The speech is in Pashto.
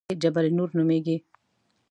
لوړه څوکه یې جبل نور نومېږي.